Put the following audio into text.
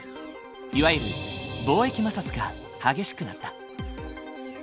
いわゆる貿易摩擦が激しくなった。